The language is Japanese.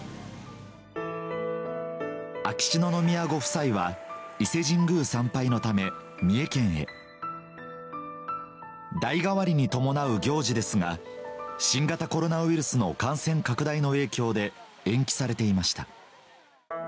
秋篠宮ご夫妻は伊勢神宮参拝のため三重県へ代替わりに伴う行事ですが新型コロナウイルスの感染拡大の影響で延期されていました